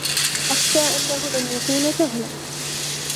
أخشي أنهُ لن يكون سهلاً.